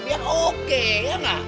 biar oke ya gak